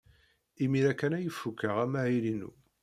Imir-a kan ay fukeɣ amahil-inu.